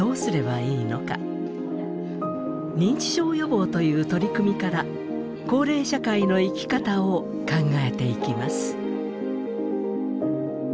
「認知症予防」という取り組みから高齢社会の生き方を考えていきます。